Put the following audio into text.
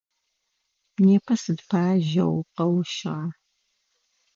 Непэ сыд пае жьэу укъэущыгъа?